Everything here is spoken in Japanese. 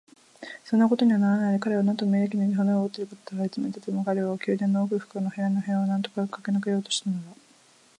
そんなことにはならないで、彼はなんと無益に骨を折っていることだろう。いつまでたっても彼は宮殿の奥深くの部屋部屋をなんとかしてかけ抜けようとするのだ。